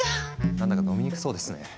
なんだか飲みにくそうですね。